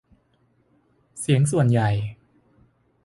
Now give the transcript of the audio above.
เสียงส่วนใหญ่